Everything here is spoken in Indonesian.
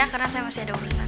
karena saya masih ada urusan